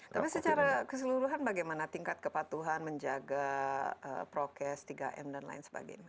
tapi secara keseluruhan bagaimana tingkat kepatuhan menjaga prokes tiga m dan lain sebagainya